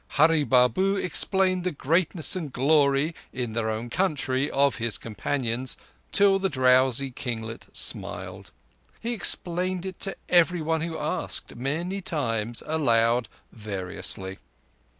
Hurree Babu explained the greatness and glory, in their own country, of his companions, till the drowsy kinglet smiled. He explained it to everyone who asked—many times—aloud—variously.